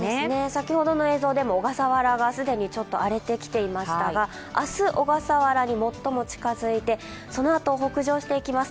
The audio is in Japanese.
先ほどの映像でも小笠原が既にちょっと荒れてきていましたが明日、小笠原に最も近づいてそのあと、北上していきます。